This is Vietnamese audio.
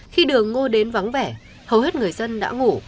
khi đường ngô đến vắng vẻ hầu hết người dân đã ngủ